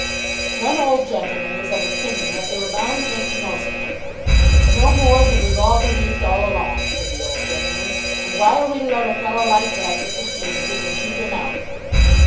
One old gentleman was of opinion that they were bound to make the most of it. "It's no more than we've all believed all along," said the old gentleman, "and why are we to let a fellow like that get the seat if we can keep him out?"